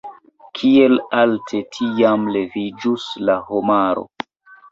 Kiel alte tiam leviĝus la homaro!